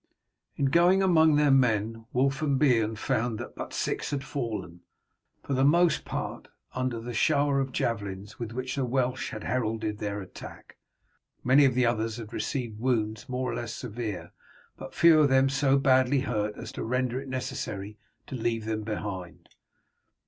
In going among their men Wulf and Beorn found that but six had fallen, for the most part under the shower of javelins with which the Welsh had heralded their attack. Many of the others had received wounds more or less severe, but few of them were so badly hurt as to render it necessary to leave them behind.